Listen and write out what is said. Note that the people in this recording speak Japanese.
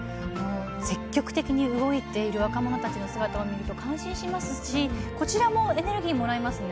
積極的に動いてる若者たちの姿を見ると感心しますし、こちらもエネルギーをもらえますよね。